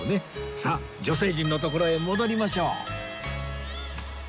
さあ女性陣のところへ戻りましょう